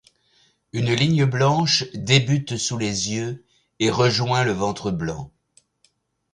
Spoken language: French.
Une ligne blanche débute sous les yeux et rejoint le ventre blanc.